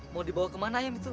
mau dibawa kemana ayam itu